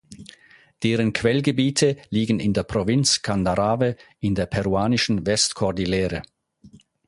Deren Quellgebiete liegen in der Provinz Candarave in der peruanischen Westkordillere.